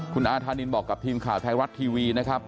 คุณอาธานินบอกกับทีมข่าวไทยรัฐทีวีนะครับ